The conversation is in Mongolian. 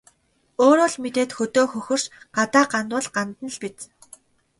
Өөрөө л мэдээд хөдөө хөхөрч, гадаа гандвал гандана л биз.